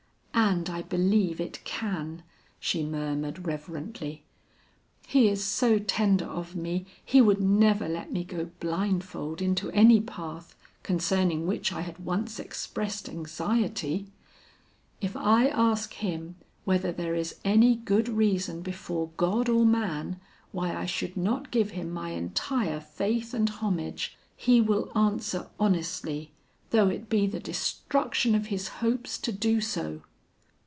And I believe it can," she murmured reverently; "he is so tender of me he would never let me go blindfold into any path, concerning which I had once expressed anxiety. If I ask him whether there is any good reason before God or man why I should not give him my entire faith and homage, he will answer honestly, though it be the destruction of his hopes to do so?"